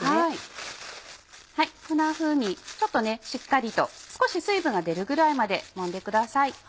こんなふうにちょっとしっかりと少し水分が出るぐらいまで揉んでください。